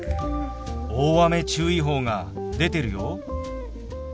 大雨注意報が出てるよ。